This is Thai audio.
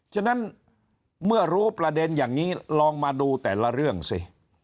ฉะนั้นเมื่อรู้ประเด็นอย่างนี้ลองมาดูแต่ละเรื่องสิ